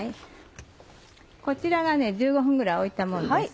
こちらが１５分ぐらい置いたものです。